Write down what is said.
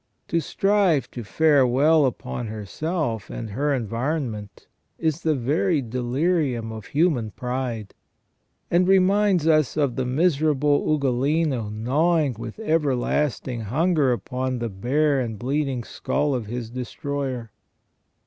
To strive to fare well upon herself and her environment is the very delirium of human pride, and reminds us of the miserable Ugolino gnawing with everlasting hunger upon the bare and bleeding skull of his destroyer.